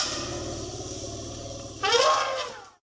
ติดต่อไปแล้ว